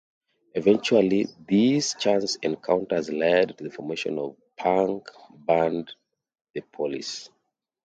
Eventually these chance encounters led to the formation of the punk band The Police.